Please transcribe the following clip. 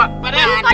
pak d pak d diri